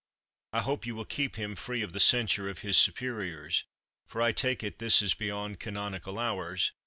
I hope you will keep him free of the censure of his superiors, for I take it this is beyond canonical hours.